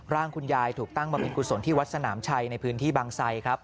ร่างคุณยายถูกตั้งบริเวณกุศลที่วัดสนามชัยในพื้นที่บางไซครับ